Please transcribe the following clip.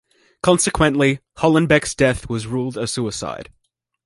Consequently, Hollenbeck's death was ruled a suicide.